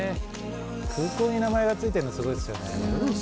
空港に名前が付いてるのすごいですよね。